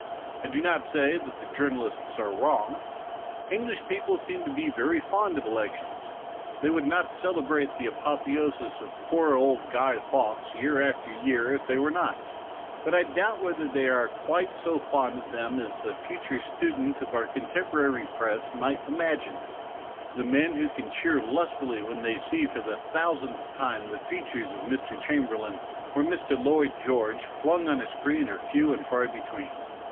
I do not say that the journalists are wrong. English people seem to be very fond of elections. They would not celebrate the apotheosis of poor old Guy Fawkes year after year if they were not, but I doubt whether they are quite so fond of them as the future student of our contemporary Press may imagine. The men who can cheer lustily when they see for the thousandth time the features of Mr. Chamberlain or Mr. Lloyd George flung on a screen are few and far between.